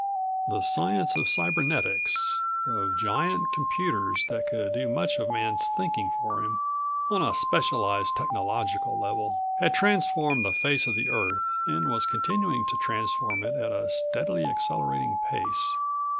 The science of cybernetics, of giant computers that could do much of Man's thinking for him on a specialized technological level, had transformed the face of the Earth and was continuing to transform it at a steadily accelerating pace.